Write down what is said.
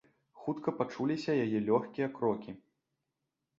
Хутка пачуліся яе лёгкія крокі.